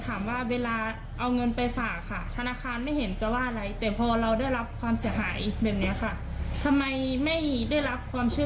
คือเงินล้านกว่าค่ะหายเม็ดไม่สะทกสถานไม่เดือน